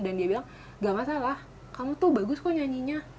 dan dia bilang nggak masalah kamu tuh bagus kok nyanyinya